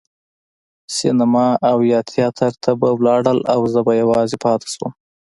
سینما او یا تیاتر ته به لاړل او زه به یوازې پاتې شوم.